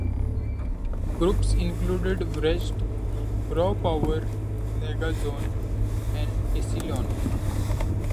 Groups included Wretched, Raw Power, Negazione and Declino.